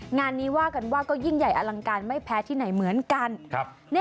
งานนี้ว่ากันว่าก็ยิ่งใหญ่อลังการไม่แพ้ที่ไหนเหมือนกัน